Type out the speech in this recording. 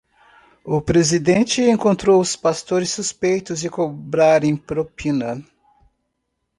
O presidente encontrou os pastores suspeitos de cobrarem propina